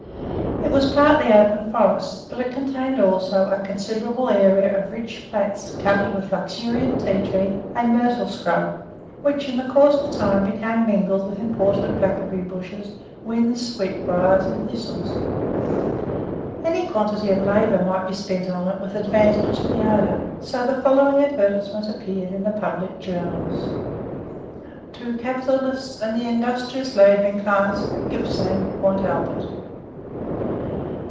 It was partly open forest, but it contained, also, a considerable area of rich flats covered with luxuriant tea tree and myrtle scrub, which in course of time became mingled with imported blackberry bushes, whins, sweetbriar, and thistles. Any quantity of labour might be spent on it with advantage to the owner, so the following advertisement appeared in the public journals: TO CAPITALISTS AND THE INDUSTRIOUS LABOURING CLASS. GIPPSLAND PORT ALBERT.